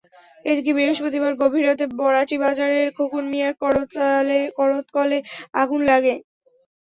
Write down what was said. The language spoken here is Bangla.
এদিকে বৃহস্পতিবার গভীর রাতে বরাটি বাজারের খোকন মিয়ার করাতকলে আগুন লাগে।